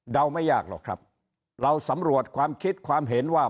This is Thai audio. ไม่ยากหรอกครับเราสำรวจความคิดความเห็นว่า